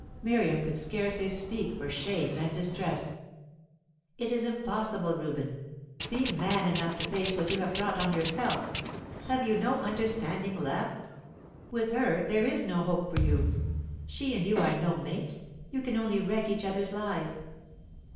Miriam could scarcely speak for shame and distress. "It is impossible, Reuben. Be man enough to face what you have brought on yourself. Have you no understanding left? With her, there is no hope for you. She and you are no mates; you can only wreck each other's lives.